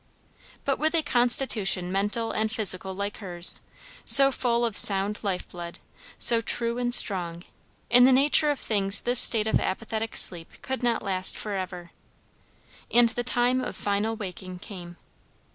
But with a constitution mental and physical like hers, so full of sound life blood, so true and strong, in the nature of things this state of apathetic sleep could not last for ever. And the time of final waking came.